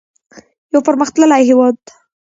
یو پرمختللی هیواد.